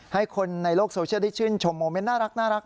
ให้คนในโลกโซเชียลได้ชื่นชมโมเมนต์น่ารัก